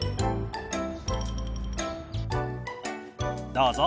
どうぞ。